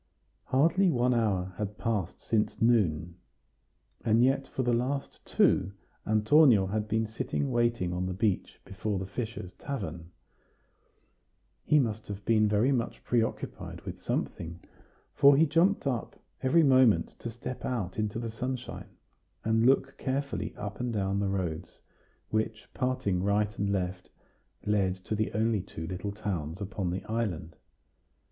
Hardly one hour had passed since noon, and yet for the last two Antonio had been sitting waiting on the bench before the fishers' tavern. He must have been very much preoccupied with something, for he jumped up every moment to step out into the sunshine, and look carefully up and down the roads, which, parting right and left, lead to the only two little towns upon the island.